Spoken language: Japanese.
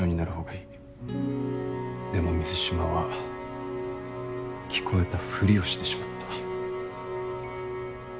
でも水島は聞こえたふりをしてしまった。